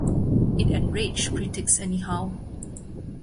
It enraged critics anyhow.